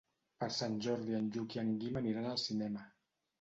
Per Sant Jordi en Lluc i en Guim aniran al cinema.